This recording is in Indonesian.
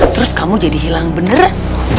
terus kamu jadi hilang beneran